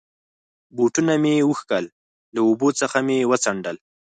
بوټونه مې و کښل، له اوبو څخه مې و څنډل.